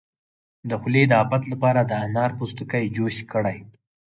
د خولې د افت لپاره د انار پوستکی جوش کړئ